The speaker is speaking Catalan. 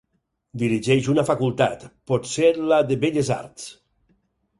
Dirigeix una facultat, potser la de Belles Arts.